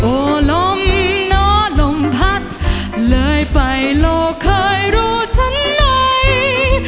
โอ้ลมหนอลมพัดเลยไปโลกเคยรู้ฉันไหน